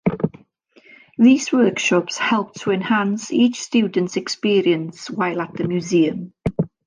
These workshops help to enhance each student's experience while at the museum.